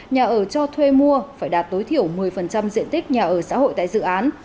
nhà ở cho thuê mua phải đạt tối thiểu một mươi diện tích nhà ở xã hội tại dự án